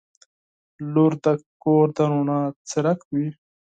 • لور د کور د رڼا څرک وي.